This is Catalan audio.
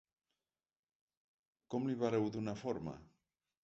Com li vareu donar forma?